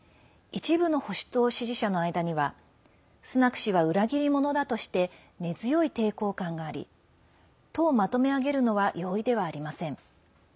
一部の保守党支持者の間にはスナク氏は裏切り者だとして根強い抵抗感があり党をまとめあげるのは容易ではありません。